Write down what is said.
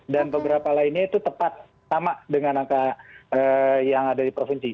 dan beberapa lainnya itu tepat sama dengan angka yang ada di provinsi